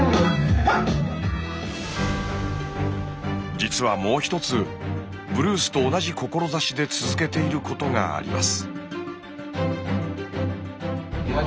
実はもう１つブルースと同じ志で続けていることがあります。